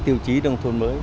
tiêu chí nông thôn mới